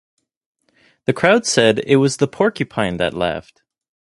"The crowd said "It was the porcupine that laughed."